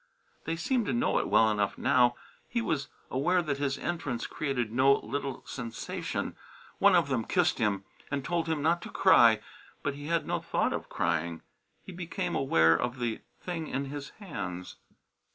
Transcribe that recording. They seemed to know it well enough now. He was aware that his entrance created no little sensation. One of them kissed him and told him not to cry, but he had no thought of crying. He became aware of the thing in his hands.